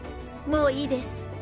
もういいです。